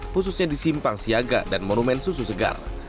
khususnya di simpang siaga dan monumen susu segar